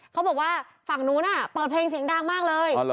เขาบอกว่าฝั่งนู้นเปิดเพลงเสียงดังมากเลย